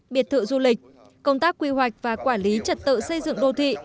biệt thự du lịch công tác quy hoạch và quản lý trật tự xây dựng đô thị